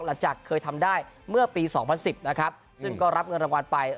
หลังจากเคยทำได้เมื่อปี๒๐๑๐นะครับซึ่งก็รับเงินรางวัลไป